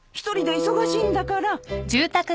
１人で忙しいんだから。